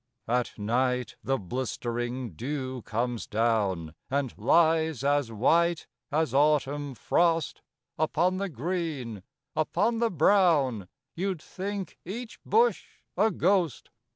At night the blistering dew comes down And lies as white as autumn frost Upon the green, upon the brown You'd think each bush a ghost.